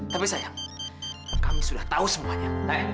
tapi sayang kami sudah tahu semuanya